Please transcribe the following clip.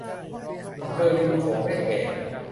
อำเภอริมโขงได้แก่